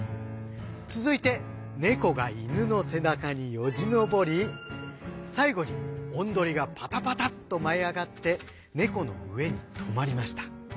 続いて猫が犬の背中によじ登り最後におんどりがパタパタッと舞い上がって猫の上に止まりました。